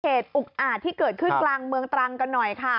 อุกอาจที่เกิดขึ้นกลางเมืองตรังกันหน่อยค่ะ